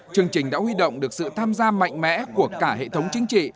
chương trình đã huy động được sự tham gia mạnh mẽ của cả hệ thống chính trị